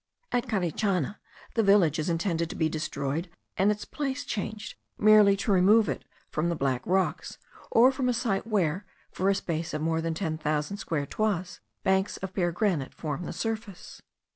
At Carichana, the village is intended to be destroyed, and its place changed, merely to remove it from the black rocks, or from a site where, for a space of more than ten thousand square toises, banks of bare granite form the surface.